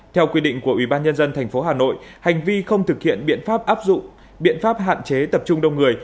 theo quy định của ủy ban nhân dân tp hà nội hành vi không thực hiện biện pháp áp dụng biện pháp hạn chế tập trung đông người